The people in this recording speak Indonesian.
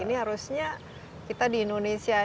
ini harusnya kita di indonesia